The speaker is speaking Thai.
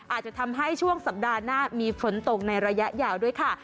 อาจจะทำให้ช่วงสัปดาห์หน้ามีฝนตกในระยะยาวด้วยค่ะ